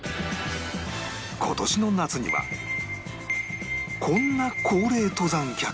今年の夏にはこんな高齢登山客が